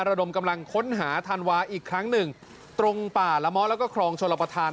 ระดมกำลังค้นหาธันวาอีกครั้งหนึ่งตรงป่าละม้อแล้วก็คลองชลประธาน